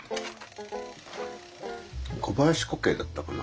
小林古径だったかな。